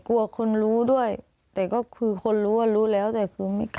กลัวคนรู้ด้วยแต่ก็คือคนรู้ว่ารู้แล้วแต่คือไม่กล้า